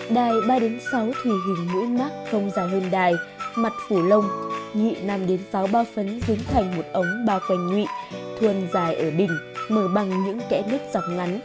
đài ba sáu thùy hình mũi mắc không dài hơn đài mặt phủ lông nhị năm sáu bao phấn dính thành một ống bao quanh nhụy thuần dài ở đỉnh mờ bằng những kẽ đứt dọc ngắn